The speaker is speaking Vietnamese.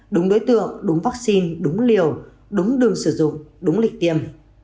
đúng đối tượng đúng vaccine đúng liều đúng đường sử dụng đúng lịch tiêm